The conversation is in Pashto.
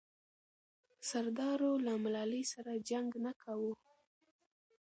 سردارو له ملالۍ سره جنګ نه کاوه.